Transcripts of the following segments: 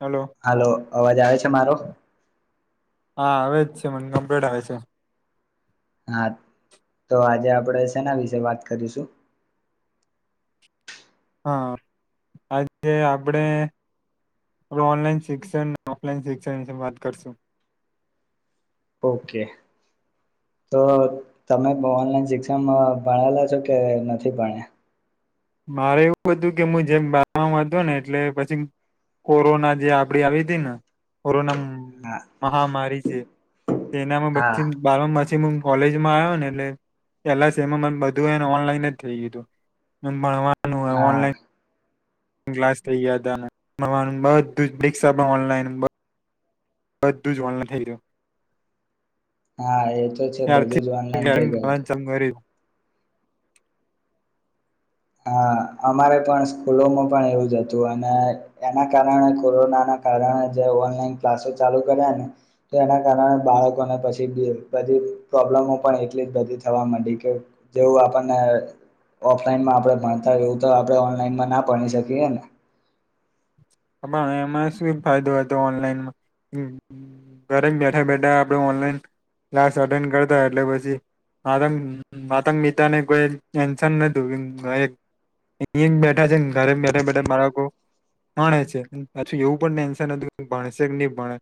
Hello hello અવાજ આવે છે મારો હા આવે જ છે મને ગમ્પલેટ આવે છે હા તો આજે આપણેે સેના વિશે વાત કરીશું [inaudible] હા આજે આપડે હવે ઓનલાઈન શિક્ષણ ઓફલાઈન શિક્ષણ વિશે વાત કરશું ઓકે તો તમે ઓનલાઈન શિક્ષણ ભણેલા છો કે નથી ભણ્યા મારે એવું હતું કે હું જેમ બાર હતો ને એટલે પછી કોરોના જે આપડી આવી હતી ને કોરોના મહામારી છે તેનામાં હા હા નથી બાર પી હું કોલેજમાં આવ્યો ને એટલે પેલા સેમાં બધું એને ઓનલાઈન જ થઈ ગય હતું ભણવાનું હો હા ઓનલાઈન ક્લાસ થઇ ગયા હતા મળવાનું બધું જ પિકષા પણ ઓનલાઈન બધું જ વલન થઈયું હા એ તો છે ત્યારથી બધું જ ઓનલાઈન થઈ ગયું હતું હા અમારે પણ સ્કૂલોમાં પણ એવું જ હતું અને એના કારણે કોરોનાના કરાના જે ઓનલાઈન ક્લાસો ચાલુ કર્યાને તો એના કારણે બાળકોને પછીધી તો આપણા એટલે બધી થવા માં કે જેનેતો આપના ઓફલાનમાં આપણે ભણતા એવું તો આપણે ઓનલાઈનમાં ના ભણી શકીએ ને હ પણ એમાં શું ફાયદો હતો ઓનલાઈનમાં ઘરે બેઠા બેઠા આપડ ઓનલાઈન ક્લાસ અટેન્ડ કરતા એટલે પછી આત આતંક મિતાને કોઈ ટેન્શન ન [unintelligible] અહી જ બેઠા છે ને ઘરે બેઠા બેઠા મારા ભણે છે પાછું એવું પણ ટેન્શન હતું કે ભણેશે કે નહી ભણે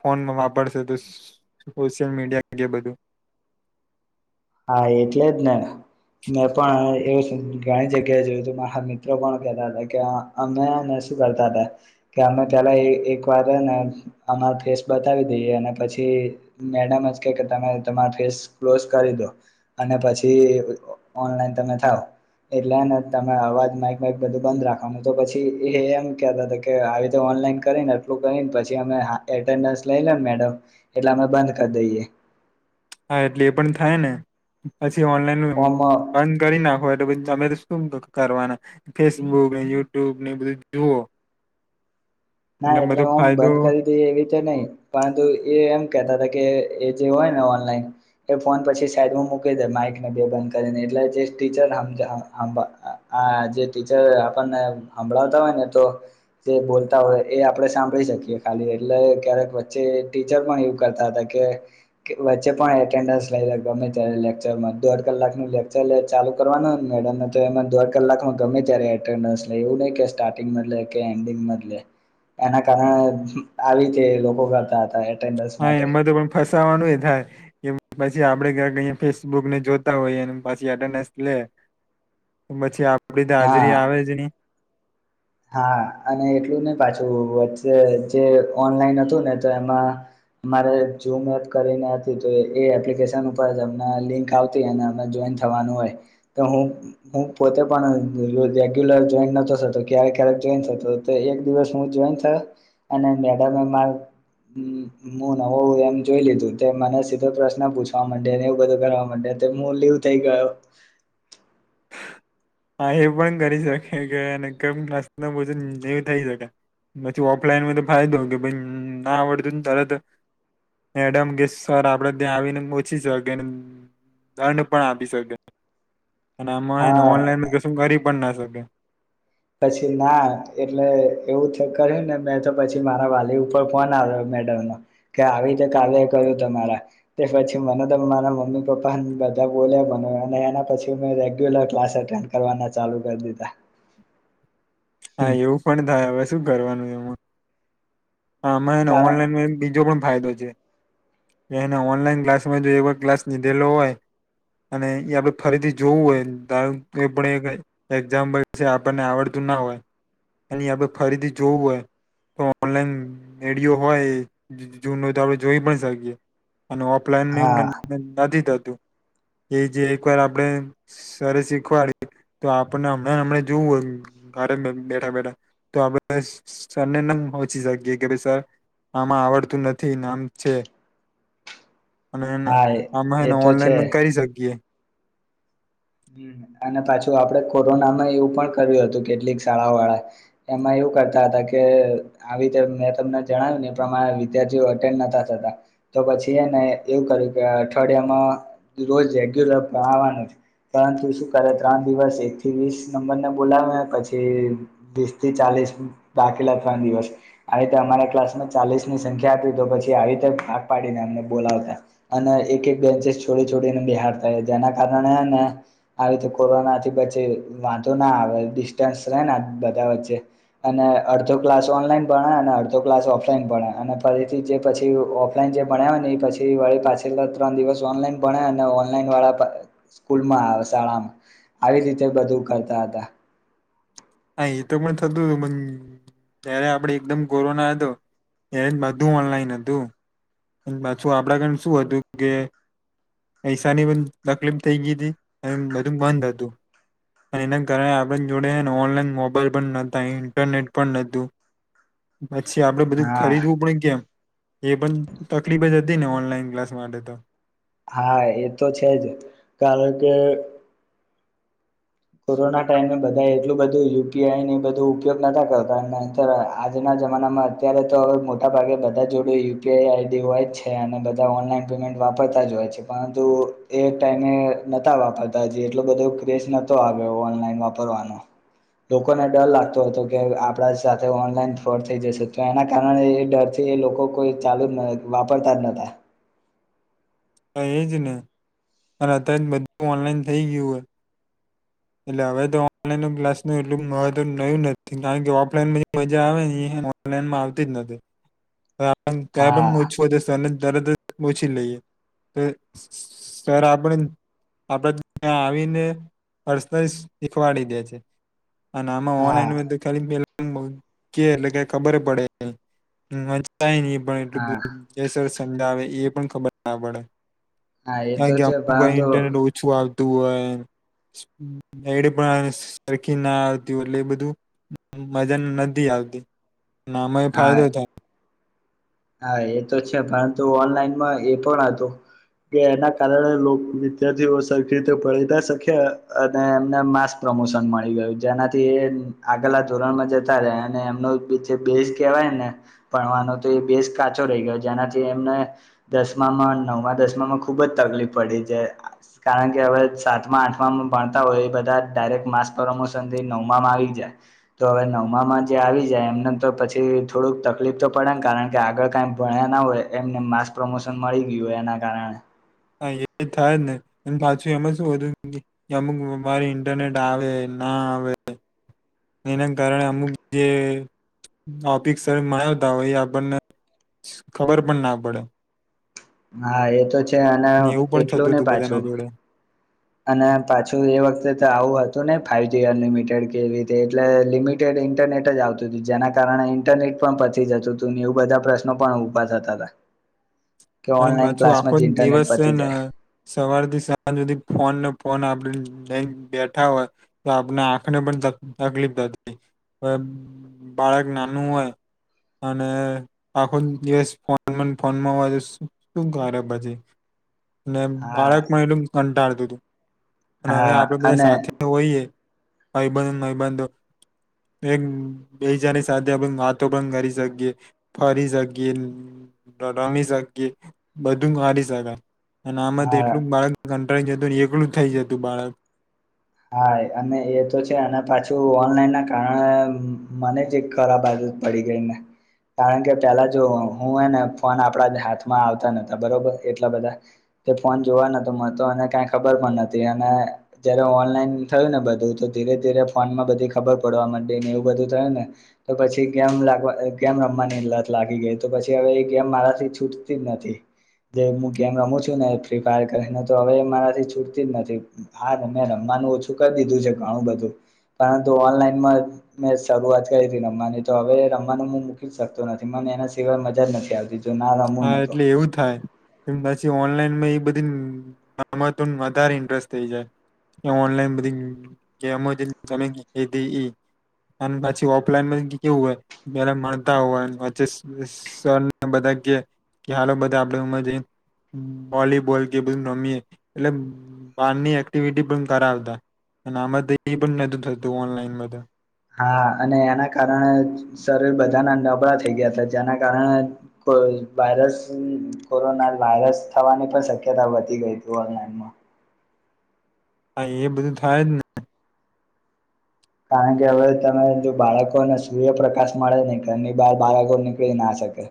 ફોનમાં વાપરશે તો સોશિયલ મીડિયાગ બધું [inaudible] એટલે જ ને મેં પણ એવું ઘણી જગ્યાએ જોયું હતું મારા મિત્રો પણ કેહેતા હતા કે અમે અ શું કરતા હતા કે અમે પલા એક વાર ને અમાર ફેસ બતાવી દઈએ અને પછી મેડમ આજકલ તમે તમા ફેસ ક્લોસ કરી દો અને પછી ઓનલાઈન તમે થાવ એટલેને તમે અવાજ માઇક માઇક બધું બંધ રાખવાનું તો પછી એ એમ કેતા કે આવી ઓનલાઇન કરીનેટલું કરીને પછ લ લને મેડમ એટલે અમે બંધ કરી દઈએ [inaudible] હા એટલે એ પણ થાય ને પછી ઓનલાઈન ઓમ બંધ કરી ના હોઈ તમે તો શું કરવાના ફેસબુક ને યુટ્યુબ ને બધું જુઓ [inaudible] ના એટલે બધો હમ ફાયદો બંધ કરી દી એવી રીતે નહી પરંતુ એ એમ કેતા હતા કે એ જે હોય ને ઓનલાઈન એ ફોન પછી સાઈડમાં મૂકી દે માઈકને બે બંધ કરીને એટલે જે ટીચર હમમ જે હમમ હા જે ટીચર આપણને હભળાવતા હોય ને તો જે બોલ તા હોઈ ય એ આપડણે સાંભળી શકીએ ખાલી એટલે ક્યારેક વચ્ચે ટીચર પણ એવું કરતા હતા કે વચ્ચે પણ એટેન્ડન્સ લઈ લ ગમે ત લેક્ચરમાં દોઢ કલાક નું લેક્ચર ચાલુ કરવાનું મેડમ તો એમાં દોઢ કલાકમાં ગમે ત્યારે એટેન્ડન્સ લે એવું નહી કે સ્ટાર્ટિંગ મલે કે એન્ડિંગ મલે એના કારણે આવીતે લોકો કરતા હતા. એટેન્ડન્સ હા માટે એમાં તો પણ ફસાવાનું એ થાય કે પછી આપડે કક અહીયા ફેસબુક ને જોતા હોઈએ પછી એન્ડનડેસ ને પછી આપડી ત હા હાજરી આવે જ ની હા અને એટલું નહી પાછું વચ્ચે જે ઓનલાઈન હતું ને તો એમાં અમારે ઝુમ એપ કરીને હતી તો એ એપ્લિકેશન ઉપર અમને લિંક આવતી અને અમે જો થવાનું હોય હું હુ પોતે રેગ્યુલર જોઈન્ટ નતો થતો કયારેક કયારેક જોઈન થત એક દિવસ હુ જોઈન થયો અને મેડમે મા હમ હું નવુ એમ જોઈ લીધું તે મને સીધો પ્રશ્ન પૂછવા મડે ને એવું બધું કરવા મડે તો મુ લીવ થઇ ગયો હા એ પણ કરી શકે કેમ નાસ્બજું ન થઈ શકે હજુ ઓફલાઈન હોય તો ફાયદો કે પણ ના આવડતો તરત જ એડમ કે સર આપડે ત્યાં આવીને મોછી શકે દંડ પણ આપી શકે અને આમાં હા ઓનલાઈન કશું કરી પણ ના શકે પછી ના એટલે એવું થ કરે ને મેં તો પછી મારા વાલી ઉપર ફોન આવે મેદવન કે આવી રીતે કાલે કરું તમારા પછી મને તો મારા મમ્મી પપ્પા બધ બોલ્યા મને અને એના પછી મે રેગ્યુલર ક્લાસ અટેન્ડ કરવાના ચાલુ કરી દીધા હા એવું પણ થાય હવે શું કરવાનું એમાં હા અમને કારણ ઓનલાઈન બીજો પણ ફાયદો છે. એને ઓનલાઈન ક્લાસમાં જો એવા ક્લાસ લીધેલો હોય. અને એ આપડે ફરીથી જોવું હોય એ પણ એક એક્ઝામ્પલ છે આપણને આવડતું ના હોય એ આપ ફરીથી જોવું હોય. તો ઓનલાઈન રેડિયો હોય જૂનો તો આપડ જોઈ પણ શ અને હા ઓફલાઈનમ નથી થતું. એ જે એક વાર આપણે સરસ શીખવાડી તો આપણને હમણાં હમણા જોવું હોય. બેઠા બેઠા તો આપણે સર ને એમ પોચી સકીએ કે ભાઈ સર આમાં આવડતું નથી નામ છે. [inaudible] અને હા એ આમેને તો ઓનલાઈન છે પણ કરી શકીએ. અને પાછું આપડે કોરોનામાં એવું પણ કર્યું હતું કેટલીક શાળા વાળા એમાં એવુ કરતા હતા કે આવી રીતે મેં તમને જણાવ્યું ને પ્રમાણે વિધાર્થીઓ અટેન્ડ નતા થતા તો પછી એને એવું કર્યું કે અઠવાડિયામાં રોજ [unintelligible] પરંતુ શું કરે ત્રણ દિવસ એક થી વીસ નંબરને બોલાવે પછી વીસ થી ચાલી દાખલા ત્રણ દિવસ આવી રીતે અમારા ક્લાસમાં ચાલીસની સંખ્યા તો પછી આવી પાડીને અમને બોલાવતા અને એક એક બેન્ચસ છોડી છોડીને બિહારતા જેના કારણેને હેને આવી તો કોરોના થી પછી વાંધો ના આવે ડિસ્ટન્સ રહે ને બધા વચ્ચે અને અડધો ક્લાસ ઓનલાઈન ભણે અને અડધો ક્લાસ ઓફલાઈન ભણે અને ફરીથી જે પછી ઓફલાઈન જે ભણ્યા હોય ને એ પછી પાછલા ત્રણ દિવસ ઓનલાઈન ભણ્યા ઓનલાઈન વાળા પણ સ્કુ મા આવે શાળા આવી રીતે બધું કરતા હતા. હા એતો પણ થતું હતું મ ત્યારે આપડે એકદમ કોરોના હતો ત્યારે બધું ઓનલાઈન હતું. પાછું આપડા ગને શું હતું કે પૈસાની બ તકલીફ થઇ ગી હતી અને બધું બંધ હતું. એના કારણે આપણે જોડે ઓનલાઈન મોબાઈલ પણ નતા ઇન્ટરનેટ પણ નતું [inaudible] પછી આપડે બધું હા ખરીદવું પડ કેમ એ પણ તકલીફ જ હતી ને ઓનલાઈન ક્લાસ માટે ત હા એ તો છે જ કારણ કે કોરોના ટાઈમે બધા એટલું બધું યુપીઆઈ ની બધું ઉપયોગ ન કરતા નહીતર આજના જમાનામાં અત્યારે તો હવે મોટા ભાગે બધા જોડે યુપીઆઈ આઈડી હોય જ છે અને બધા ઓનલાઈન પેમેન્ટ વાપરતા જ હોય છે, પરંતુ એ ટાઈમે નાતા વાપરતા જે એટલો બધો ક [unintelligible] ઓનલાઈન વાપરવાનો. લોકોને ડર લાગતો હતો કે આપડા સાથે ઓનલાઈન ફોડ થઈ જશે તો એના કારણે એ ડરથી એ લોકો કોઈ ચાલુ જ વાપરતા જ નતા. એજ ને અને અત જ બધું ઓનલાઈન થઈ ગયું હોય એટલે હવે તો ઓનલાઈન ક્લાસ ન એટલું મહત્વ નયું નથી કારણ કે ઓફલાઈન બી મજા આવે ઓનલાઈનમાં આવતી જ નથી, કં પણ [unintelligible] હા જશે. તરદ ઓછી લઈએ તો સર આપણે અ આવીને પર્સન શીખવાડી દે છે અને આમાં હા ઓનલાઈન [unintelligible] કે એટલે કે ખબર પડેચ ન એટલું હા બધ જ સર સમજ આવે એ પણ ખબર ના પડે હા એ તો કારણ કે છે અમુ પરંતુ ઇન્ટરનેટ ઓછું આવતું હોય એડે પણ સરખી ના આવતી એટલે એ બધું મજા નથી આવતી, ન અમાં હા ફાયદો થાય હા એ તો છે, પરંતુ ઓનલાઈનમાં એ પણ હતું કે એના કારણે લોક વિદ્યાર્થીઓ સરખી રીતે ભણી ના શકયા અને એના લીધે માસ પ્રમોશન મળી ગયું જેનાથી એ આગલા ધોરણમાં જતા રહે અને એમનું બેસ કેવાય ભણવાનો તો એ બેસ કાચો રહી ગયો, જેનાથી એમને દસમામાં, નવમા, દસમામાં ખુબ જ તકલીફ પડી જાય કારણ કે હવે સાતમા આઠમા ભણતા હોય એ બધા ડાયરેક્ટ માસ પ્રમોશન થી નવમામાં આવી જ્યા, તો હવે નવમાં જે આવી જાય એમને તો પછી થોડુંક તકલીફ તો પડે ને કારણ કે આગળ કઈ ભણ્યા ના હોય, એમને માસ પ્રમોશન મળી ગયું હોય એના કારણે હા એ થાય જ ને એ પાછું એમાં શું હતું અમુક વાર ઇન્ટરનેટ આવે ના આવે એના કારણે અમુક જે ટોપીકસ ભણાવતા હોય એ આપણને ખબર પણ ના પડે હા, એ તો છે અને એવું પણ એટલું થતું નહી હતું બધાના પાછું, જોડે અને પાછું એ વખતે તો આવું હતું ન ફાઈવજી અનલિમિટેડ કેવી રીતે એટલે લિમિટેડ ઇન્ટરનેટ જ આવતું હતું, જેના કારણે ઇન્ટરનેટ પણ પતી જતું હતું ને એવું બધા પ્રશ્નો પણ ઉભા થતા હતા. [inaudible] અને ઓનલાઈન પાછું ક્લાસમાં આખો જ ઇન્ટરનેટ દિવસ છે, પતી ને જાય સવાર થી સાંજ સુધી ફોન આપણે લઈને બેઠા હોય તો આપણે આંખને પણ તકલીફ થતી હ બાળક નાનું હોય અને આખો દિવસ ફોનમાંને ફોનમાં શું કરે પછી, ને હા બાળક પણ એટલું કંટાળતું હતું અને હવે હા આપડે બંધા અને સાથે હોઈએ ભાઈબંધ, ભાઈબંધો એક બેજાની સાથે આપડે વાતો પણ કરી શકીએ, ફરી શકીએ, હા [unintelligible] એકલું જ થઈ જતું બાળક હા અને એ તો છે અને પાછું ઓનલાઈન ના કારણે મને જ એક ખરાબ આદત પડી ગઈને કારણ કે, પેલા જો હું હ ને ફોન આપણા હાથમાં આવતા નોતા બરોબર એટલા બધા તે ફોન જોવા નતો મળતો અને કઈ ખબર પણ નથી અને જયારે ઓનલાઈન થયું ને બધું તો ધીરે ધીરે ફોન માં બધી ખબર પડવા માંડી ને એવું બધું થયું ને, તો પછી ગેમ લાગવા ગેમ રમવાની લત લાગી ગઈ તો પછી હવે એ ગેમ મારાથી છૂટતી જ નથી. જે હું ગેમ રમું છું ને ફ્રી ફાયર કરીને તો હવે મારાથી છૂટતી જ નથી હા ને મે રમાનું ઓછું કરી દીધું છે ઘણું બધું, પરંતુ ઓનલાઈનમાં મેં શરૂઆત કરી હતી રમવાની તો હવે રમવાનું હું મૂકી જ શકતો નથી મને એના સિવાય મજા નથી આવતી જો ના રમું ને હા તો એટલે એવું થાય એમ પછી ઓનલાઈનમાં એ બધી બાબતો વધારે ઇન્ટરેસ્ટ થઈ જાય ઓનલાઈન બધી ગેમો તને કિધીં એ અને પછી ઓફલાઈન કેવું હોય મળતા હોય વે સરને બધા કે કે હાલો બધા આપડે ઉમા જઈ વોલીબોલ કે બધું રમીએ એટલે બારની એક્ટિવિટી પણ કરાવતા અને આમાં એપણ નહોતુ થતુ ઓનલાઈનમાં તો હા અને એના કારણે શરીર બધાના નબળા થઈ ગયા હતા જેના કારણે વાયરસ કોરોના વાયરસ થવાની પણ શક્યતા વધી ગઈ હતી ઓનલાઈનમાં હા એ બધું થાય જ ને કારણ કે હવે તમે જો બાળકોને સૂર્યપ્રકાશ મળે નહી ઘરની બાર બાળકો નીકળીના શકે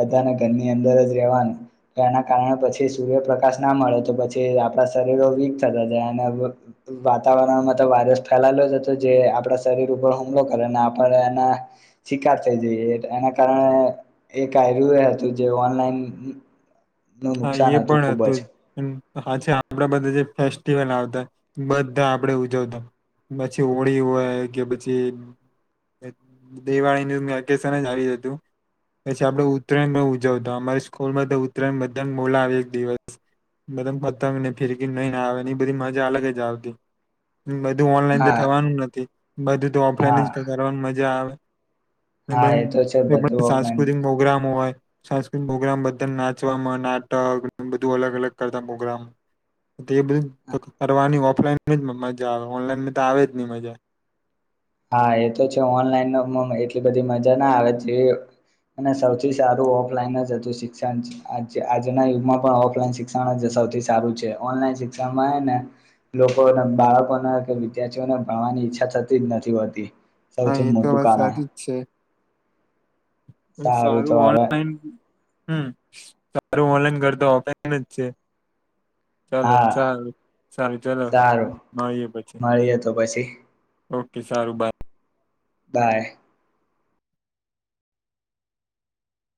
બધાને ઘરની અંદર જ રહેવાનું એના કારણે પછી સૂર્યપ્રકાશ ના મળે તો પછી આપણા શરીરો વીક થતા જાય વાતાવરણમાં તો વાયરસ ફેલાયેલો જ હતો જે આપણા શરીર ઉપર હુમલો કરે ને આપણે એના શિકાર થઈ જઈએ એના કારણે એક્યું હતું જે ઓનલાઈન નું હા નુકસાન એ હતું પણ ખુબ જ હતું હાચે આપણા બધા જે [inaudible] ફેસ્ટિવલ આવતા બધા આપડે ઉજવતા. પછી હોળી હોય કે પછી. દિવાળીનું વેકેશન આવી જ હતું. પછી આપડે ઉત્તરાયણ ન ઉજવતા અમારા સ્કૂલમાં તો ઉત્તરાયણ બધા મોોલા આવે એક દિવસ. બધમ પતંગ ને ફિરકીને નઈ આવે એની બધી મજા અલગ જ આવતી. બધું ઓનલાઈન તો હા થવાનું નથી બધું તો હા ઓફલાઈન કરવાની મજા આવે. [inaudible] હા એ તો છે બધું ઓફલાઈન સાંસ્કૃતિક પ્રોગ્રામ હોય સાંસ્કૃતિક પ્રોગ્રામ બધા નાચવાવામાં. નાટક બધું અલગ અલગ કરતા પ્રગ્રામ બધ કરવાની. ઓફલાઈન જ મજા આવે ઓનલાઈન તો આવે જ નહી મજા. હા એ તો છે ઓનલાઈન ન એટલી બધી મજા ના આવે. અને સૌથી સારું ઓફલાઈન જ હતું શિક્ષણ આજના યુગમાં પણ ઓફલાઈન શિક્ષણ જ. સૌથી સારું છે ઓનલાઈન શિક્ષણ માં ને. લોકોને બાળકોને કે વિદ્યાર્થીઓને ભણવાની ઈચ્છા થતી જ નથી હોતી. હા સૌથી એ તો મોટું વાત કારણ. હ તો સારું હવે ઓનલાઈન. હમ સારું ઓનલાઈન કરતો અપાયને જ છે. હ [unintelligible] ચાલો સારું સારું ચાલો સારું મળીએ પછી. મળીએ તો પછી ઓકે સારું બાય. બાય.